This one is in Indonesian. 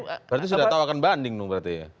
berarti sudah tahu akan banding dong berarti ya